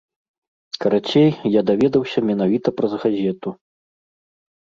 Карацей, я даведаўся менавіта праз газету.